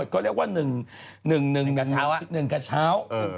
ก็เรียกว่า๑๐นวด๑กระเช้า